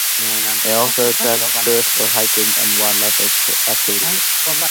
It also attracts tourists for hiking and wildlife activities.